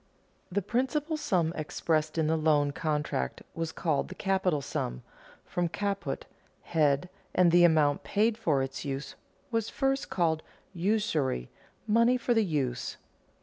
The principal sum expressed in the loan contract was called the capital sum, from caput, head, and the amount paid for its use was first called usury, money for the use.